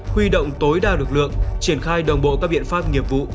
huy động tối đa lực lượng triển khai đồng bộ các biện pháp nghiệp vụ